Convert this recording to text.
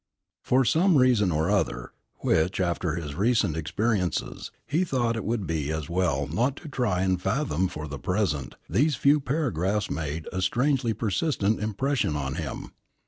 For some reason or other, which, after his recent experiences, he thought it would be as well not to try and fathom for the present, these few paragraphs made a strangely persistent impression on him.